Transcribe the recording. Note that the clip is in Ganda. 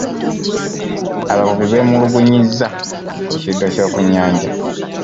Abavubi beemulugunyizza ku kiddo ky'oku nnyanja.